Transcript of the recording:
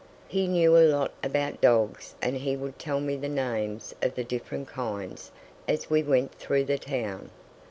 He knew a lot about dogs and he would tell me the names of the different kinds as we went through the town.